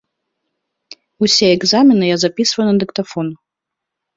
Усе экзамены я запісваю на дыктафон.